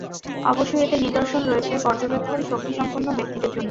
অবশ্যই এতে নিদর্শন রয়েছে পর্যবেক্ষণ শক্তিসম্পন্ন ব্যক্তিদের জন্যে।